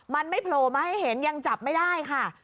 มันไม่โผล่มาให้เห็นยังจับไม่ได้ค่ะ